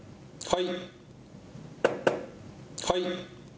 はい。